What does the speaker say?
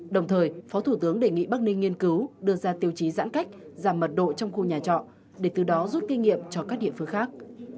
đồng thời phó thủ tướng đề nghị bắc ninh nghiên cứu đưa ra tiêu chí giãn cách giảm mật độ trong khu nhà trọ để từ đó rút kinh nghiệm cho các địa phương khác